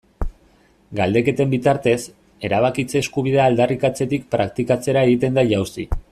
Galdeketen bitartez, erabakitze eskubidea aldarrikatzetik praktikatzera egiten da jauzi.